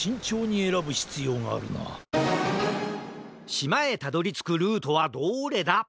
しまへたどりつくルートはどれだ？